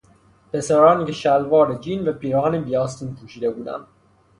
پسرانی که شلوار جین و پیراهن بیآستین پوشیده بودند.